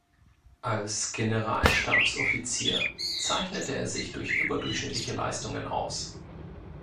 Als Generalstabsoffizier zeichnete er sich durch überdurchschnittliche Leistungen aus.